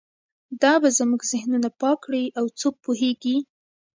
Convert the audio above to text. دا به زموږ ذهنونه پاک کړي او څوک پوهیږي